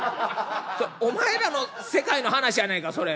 お前らの世界の話やないかそれ！